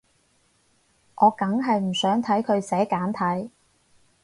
我梗係唔想睇佢寫簡體